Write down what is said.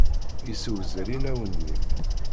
Nessewzel inaw-nni.